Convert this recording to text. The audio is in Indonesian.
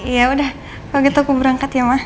yaudah kalau gitu aku berangkat ya ma